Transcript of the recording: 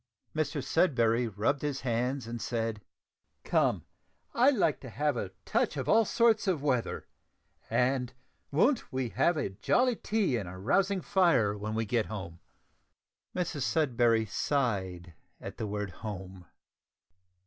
Mr Sudberry rubbed his hands and said, "Come, I like to have a touch of all sorts of weather, and won't we have a jolly tea and a rousing fire when we get home?" Mrs Sudberry sighed at the word "home."